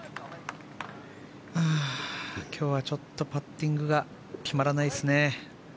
今日はちょっとパッティングが決まらないですね。